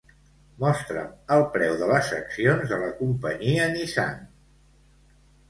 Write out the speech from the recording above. Mostra'm el preu de les accions de la companyia Nissan.